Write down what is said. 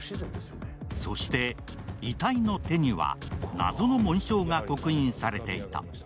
そして、遺体の手には謎の紋章が刻印されていた。